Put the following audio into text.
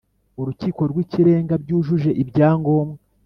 Urukiko rw Ikirenga byujuje ibyangombwa